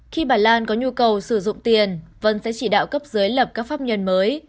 khi bà lan có nhu cầu sử dụng tiền vân sẽ chỉ đạo cấp dưới lập các pháp nhân mới